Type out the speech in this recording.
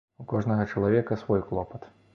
У кожнага чалавека свой клопат.